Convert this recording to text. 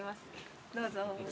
どうぞ。